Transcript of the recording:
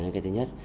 cái thứ nhất